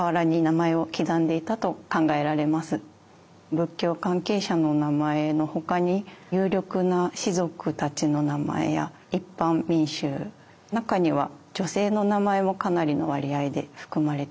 仏教関係者の名前のほかに有力な氏族たちの名前や一般民衆中には女性の名前もかなりの割合で含まれています。